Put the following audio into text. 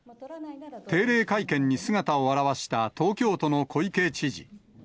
定例会見に姿を現した東京都の小池知事。